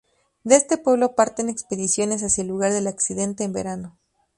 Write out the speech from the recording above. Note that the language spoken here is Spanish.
De este pueblo parten expediciones hacia el lugar del accidente, en verano.